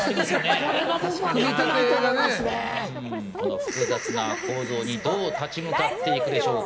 複雑な構造に、どう立ち向かっていけるでしょうか。